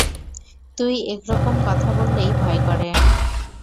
তুই এরকম কথা বললেই ভয় করে।